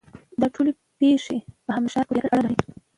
دا ټولې پېښې په همدې ښار پورې اړه لري.